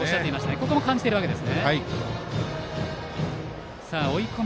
ここも感じているわけで。